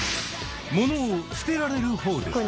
物を捨てられるほうですか？